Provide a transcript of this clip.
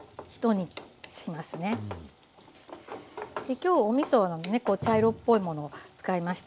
今日おみそのね茶色っぽいものを使いました。